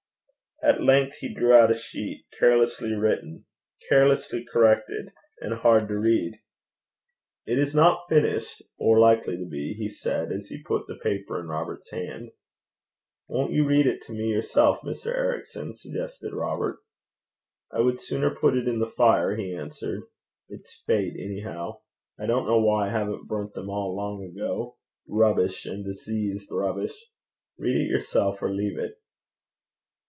At length he drew out a sheet, carelessly written, carelessly corrected, and hard to read. 'It is not finished, or likely to be,' he said, as he put the paper in Robert's hand. 'Won't you read it to me yourself, Mr. Ericson?' suggested Robert. 'I would sooner put it in the fire,' he answered 'it's fate, anyhow. I don't know why I haven't burnt them all long ago. Rubbish, and diseased rubbish! Read it yourself, or leave it.'